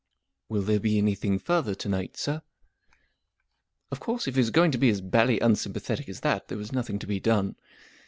"" Will there be any¬ thing further to night, sir ?" Of course, if he was going to be as bally un¬ sympathetic as that there was nothing to be done.